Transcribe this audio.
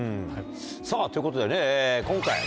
さぁということでね今回。